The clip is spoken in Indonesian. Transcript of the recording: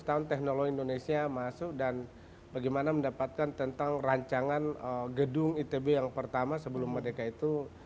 tujuh belas tahun teknologi indonesia masuk dan bagaimana mendapatkan tentang rancangan gedung itb yang pertama sebelum merdeka itu